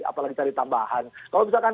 apalagi cari tambahan kalau misalkan